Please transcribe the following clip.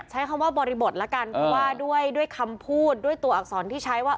ใช้คำว่าบริบทละกันเพราะว่าด้วยคำพูดด้วยตัวอักษรที่ใช้ว่า